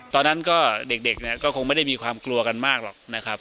ตอนนั้นก็เด็กเนี่ยก็คงไม่ได้มีความกลัวกันมากหรอกนะครับ